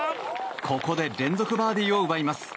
ここで連続バーディーを奪います。